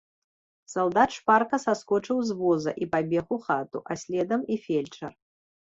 Салдат шпарка саскочыў з воза і пабег у хату, а следам і фельчар.